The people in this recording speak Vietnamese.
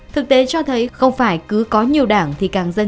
thực tế cho thấy không phải cứ có nhiều đảng thì càng dễ dàng